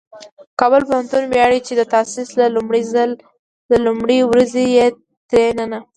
کابل پوهنتون ویاړي چې د تاسیس له لومړۍ ورځې یې تر ننه